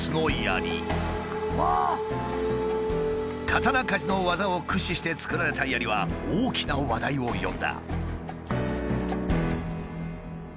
刀鍛冶の技を駆使して作られた槍は大きな話題を呼んだ。